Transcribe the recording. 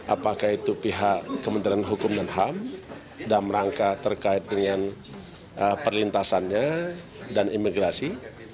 apakah itu pihak kementerian hukum dan ham dalam rangka terkait dengan perlintasannya dan imigrasi